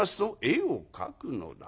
「絵を描くのだ」。